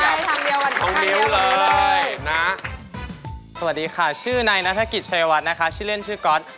ทางเดียวกันทางเดียวกันเลยนะสวัสดีค่ะชื่อในนาธกิจชายวัดนะคะชื่อเล่นชื่อก๊อต